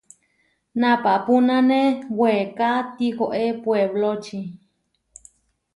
Napapúnane weeká tihoé puebloči.